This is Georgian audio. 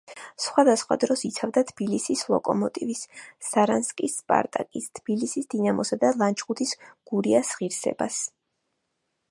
სხვადასხვა დროს იცავდა თბილისის „ლოკომოტივის“, სარანსკის „სპარტაკის“, თბილისის „დინამოსა“ და ლანჩხუთის „გურიას“ ღირსებას.